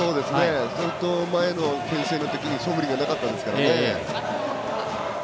それと前のけん制のときにそぶりがなかったんですけどね。